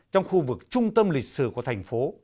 trong khu vực trung tâm lịch sử của thành phố